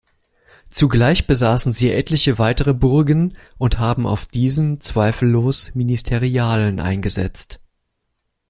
Zugleich besaßen sie etliche weitere Burgen und haben auf diesen zweifellos Ministerialen eingesetzt.